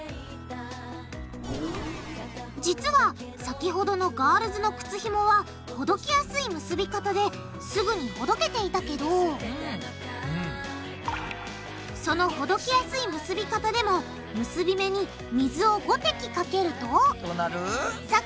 実は先ほどのガールズの靴ひもはほどけやすい結び方ですぐにほどけていたけどそのほどけやすい結び方でも結び目に水を５滴かけるとどうなる？